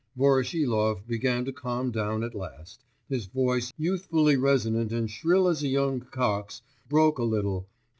Voroshilov began to calm down at last, his voice, youthfully resonant and shrill as a young cock's, broke a little....